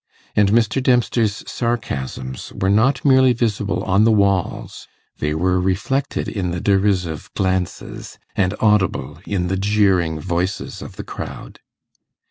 And Mr. Dempster's sarcasms were not merely visible on the walls; they were reflected in the derisive glances, and audible in the jeering voices of the crowd.